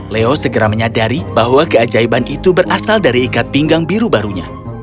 leo segera menyadari bahwa keajaiban itu berasal dari ikat pinggang biru barunya